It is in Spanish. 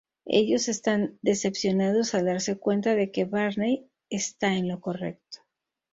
Ellos están decepcionados al darse cuenta de que Barney está en lo correcto.